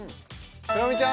クロミちゃん